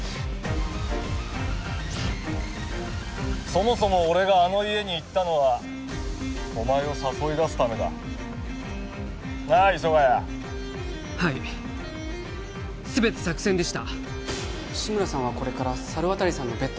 そもそも俺があの家に行ったのはお前を誘い出すためだなあ磯ヶ谷はい全て作戦でした志村さんはこれから猿渡さんの別宅を